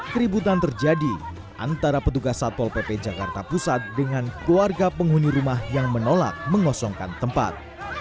keributan terjadi antara petugas satpol pp jakarta pusat dengan keluarga penghuni rumah yang menolak mengosongkan tempat